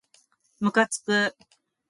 むかつく